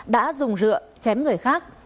đã dùng rượu chém người khác